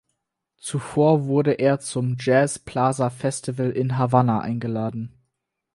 Zuvor wurde er zum "Jazz Plaza Festival" in Havanna eingeladen.